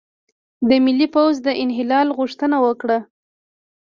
د ملي پوځ د انحلال غوښتنه وکړه،